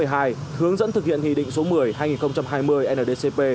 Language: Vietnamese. hướng dẫn thực hiện nghị định số một mươi hai nghìn hai mươi ndcp